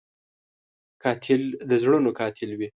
قاتل د زړونو قاتل وي